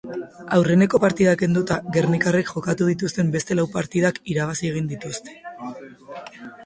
Aurreneko partida kenduta, gernikarrek jokatu dituzten beste lau partidak irabazi egin dituzte.